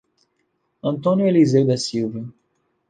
Antônio Elizeu da Silva